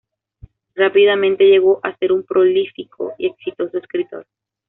Rápidamente llegó a ser un prolífico y exitoso escritor.